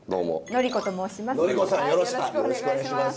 紀子さんよろしくお願いします。